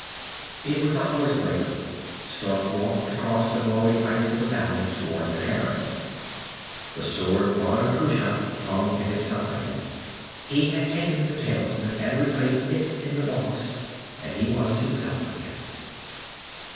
It was hours later. Stark walked across the glowing ice of the valley, toward the cairn. The sword of Ban Cruach hung at his side. He had taken the talisman and replaced it in the boss, and he was himself again.